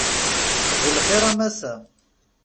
D lxir a Massa.